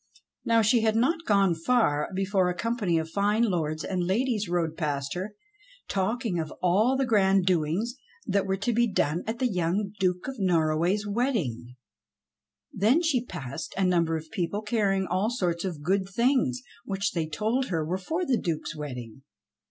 Now she had not gone far before a company of fine lords and ladies rode past her talking of all the grand doings that THE BLACK BULL OF NORROWAY i6i were to be done at the young Duke of Norroway's wedding. Then she passed a number of people carrying all sorts of good things which they told her were for the Duke's wedding.